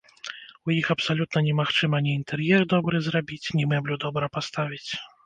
У іх абсалютна немагчыма ні інтэр'ер добры зрабіць, ні мэблю добра паставіць.